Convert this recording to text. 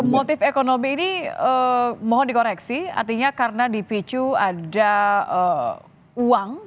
motif ekonomi ini mohon dikoreksi artinya karena dipicu ada uang